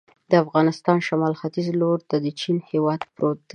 د افغانستان شمال ختیځ ته لور ته د چین هېواد پروت دی.